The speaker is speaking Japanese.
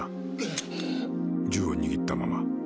銃を握ったまま。